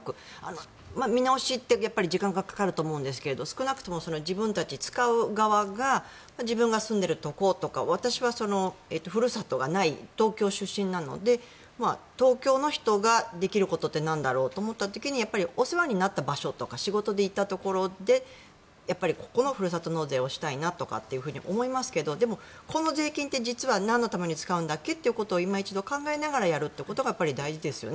見直しって時間がかかると思うんですが少なくとも自分たち使う側が自分の住んでいるところとか私はふるさとがない東京出身なので東京の人ができることってなんだろうと思った時にお世話になった場所とか仕事で行ったところでやっぱりここのふるさと納税をしたいなと思いますがでも、この税金って実はなんのために使うんだっけということをいま一度考えながらやることが大事ですよね。